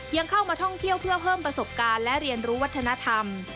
ยังเข้ามาท่องเที่ยวเพื่อเพิ่มประสบการณ์และเรียนรู้วัฒนธรรม